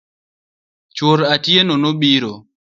Chuor Atieno no biro.